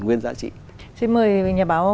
nguyên giá trị xin mời nhà báo